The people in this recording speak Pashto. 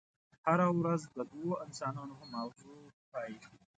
هره ورځ د دوو انسانانو په ماغزو پايي.